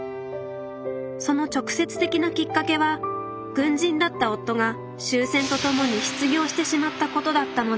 その直接的なきっかけは軍人だった夫が終戦とともに失業してしまったことだったのですが